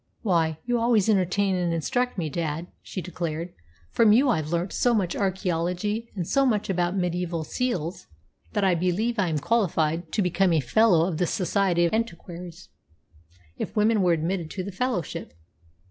"Why, you always entertain and instruct me, dad," she declared; "from you I've learnt so much archaeology and so much about mediaeval seals that I believe I am qualified to become a Fellow of the Society of Antiquaries, if women were admitted to fellowship."